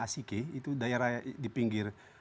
asike itu daerah di pinggir